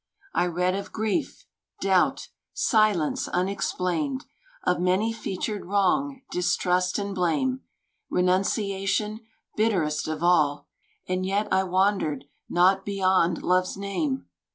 I read of Grief, Doubt, Silence unexplained Of many featured Wrong, Distrust, and Blame, Renunciation bitterest of all And yet I wandered not beyond Love's name.